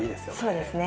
そうですね。